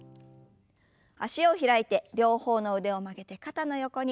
脚を開いて両方の腕を曲げて肩の横に。